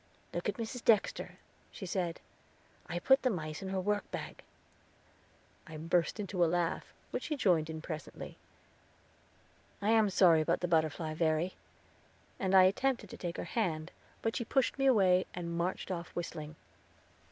"Look at Mrs. Dexter," she said; "I put the mice in her workbag." I burst into a laugh, which she joined in presently. "I am sorry about the butterfly, Verry." And I attempted to take her hand, but she pushed me away, and marched off whistling.